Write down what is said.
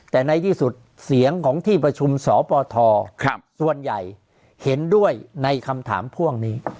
แต่ในที่สุดเสียงของที่ประชุมสปทส่วนใหญ่เห็นด้วยในคำถามพ่วงนี้